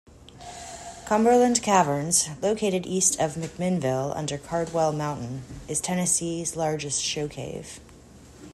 Cumberland Caverns, located east of McMinnville under Cardwell Mountain, is Tennessee's largest show cave.